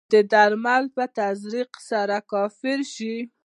که د درمل په تزریق سره کافر شي.